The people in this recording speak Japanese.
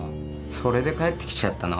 それで帰ってきちゃったの？